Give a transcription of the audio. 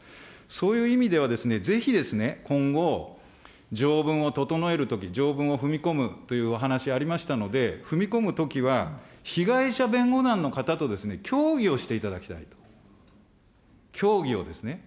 そういう意味ではですね、ぜひですね、今後、条文を整えるとき、条文を踏み込むというお話ありましたので、踏み込むときは、被害者弁護団の方と協議をしていただきたいと。協議をですね。